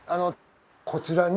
こちらに。